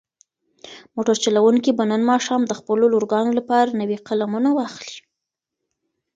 موټر چلونکی به نن ماښام د خپلو لورګانو لپاره نوې قلمونه واخلي.